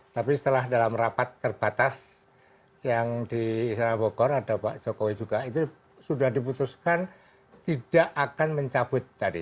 tapi setelah dalam rapat terbatas yang di istana bogor ada pak jokowi juga itu sudah diputuskan tidak akan mencabut tadi